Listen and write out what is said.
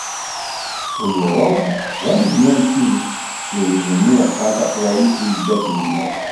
Uli Rohde d amedya n tidet i wid-nni yeqqaren Taqbaylit yeǧǧa-tt zzman.